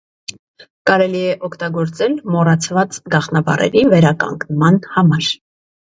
Կարելի է օգտագործել մոռացված գաղտնաբառերի վերականգնման համար։